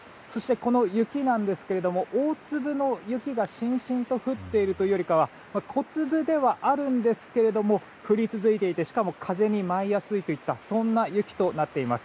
この雪なんですが大粒の雪がしんしんと降っているというよりかは小粒ではありますが降り続いていてしかも風に舞いやすいといったそんな雪となっています。